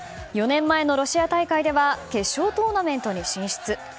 ４年前のロシア大会では決勝トーナメントに進出。